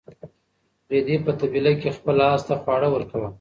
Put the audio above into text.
رېدي په طبیله کې خپل اس ته خواړه ورکول.